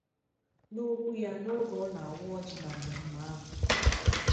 N'okwu ya oge ọ na-awa ọjị na mmemme ahụ